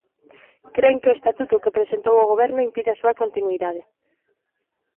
Cren que o estatuto que presentou o Goberno impide a súa continuidade.